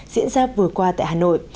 diễn ra vừa qua tại hà nội